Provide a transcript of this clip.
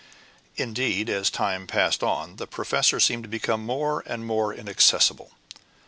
Indeed, as time passed on, the professor seemed to become more and more inaccessible.